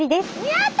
やった！